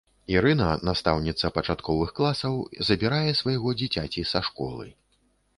Ірына, настаўніца пачатковых класаў, забірае свайго дзіцяці са школы.